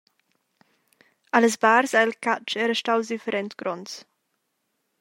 Allas bars ei il catsch era staus different gronds.